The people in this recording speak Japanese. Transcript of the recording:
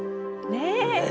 ねえ！